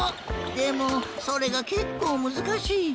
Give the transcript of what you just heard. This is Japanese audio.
でもそれがけっこうむずかしい。